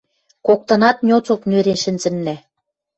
Коктынат ньоцок нӧрен шӹнзӹннӓ...